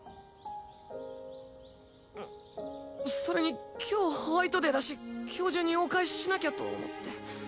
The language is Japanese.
それに今日ホワイトデーだし今日中にお返ししなきゃと思って。